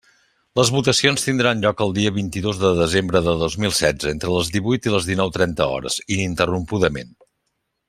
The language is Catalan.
Les votacions tindran lloc el dia vint-i-dos de desembre de dos mil setze, entre les divuit i les dinou trenta hores, ininterrompudament.